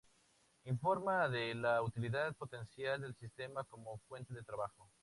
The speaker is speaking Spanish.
Informa de la utilidad potencial del sistema como fuente de trabajo.